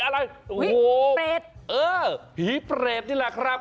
โอ้โหพีชเปรตเออพีชเปรตนี่แหละครับ